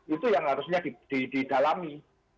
itu yang harusnya didalami